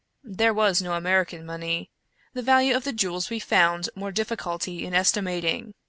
There was no American money. The value of the jewels we found more difficulty in estimating.